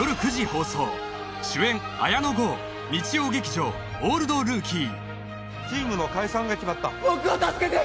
放送主演綾野剛日曜劇場「オールドルーキー」チームの解散が決まった僕を助けて！